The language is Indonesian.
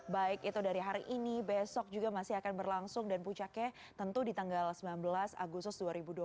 baik itu dari hari ini besok juga masih akan berlangsung dan puncaknya tentu di tanggal sembilan belas agustus dua ribu dua puluh